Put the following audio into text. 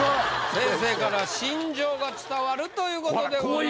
先生から「心情が伝わる」という事でございました。